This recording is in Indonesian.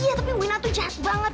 iya tapi wina tuh chef banget